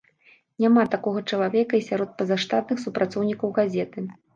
Няма такога чалавека і сярод пазаштатных супрацоўнікаў газеты.